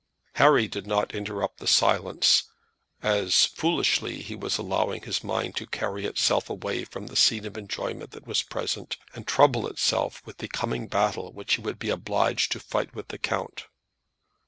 Harry did not interrupt the silence, as, foolishly, he was allowing his mind to carry itself away from the scene of enjoyment that was present, and trouble itself with the coming battle which he would be obliged to fight with the count.